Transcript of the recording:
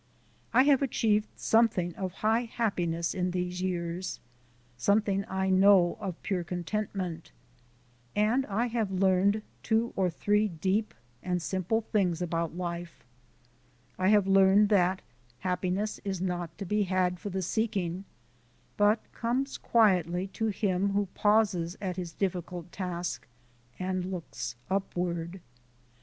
I have achieved something of high happiness in these years, something I know of pure contentment; and I have learned two or three deep and simple things about life: I have learned that happiness is not to be had for the seeking, but comes quietly to him who pauses at his difficult task and looks upward.